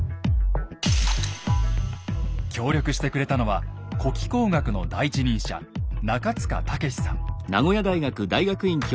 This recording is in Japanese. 協力してくれたのは古気候学の第一人者中塚武さん。